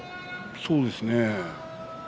そうですね。